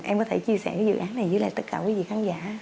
em có thể chia sẻ cái dự án này với lại tất cả quý vị khán giả